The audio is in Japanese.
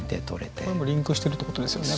これもリンクしてるってことですよね。